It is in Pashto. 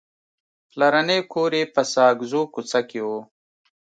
پلرنی کور یې په ساګزو کوڅه کې و.